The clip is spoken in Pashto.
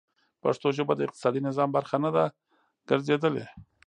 پښتو ژبه د اقتصادي نظام برخه نه ده ګرځېدلې.